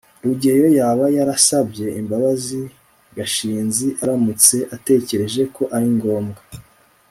rugeyo yaba yarasabye imbabazi gashinzi aramutse atekereje ko ari ngombwa